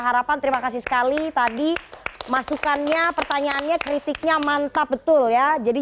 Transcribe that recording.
harapan terima kasih sekali tadi masukannya pertanyaannya kritiknya mantap betul ya jadi